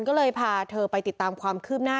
ก็เลยพาเธอไปติดตามความคืบหน้า